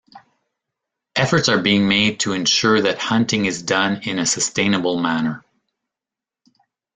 Efforts are being made to ensure that hunting is done in a sustainable manner.